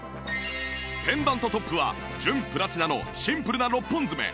ペンダントトップは純プラチナのシンプルな６本爪